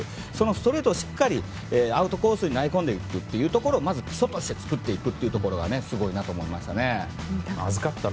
ストレートをしっかりアウトコースに投げ込んでいくというところをまず、基礎として作っていくことがすごいなと思いました。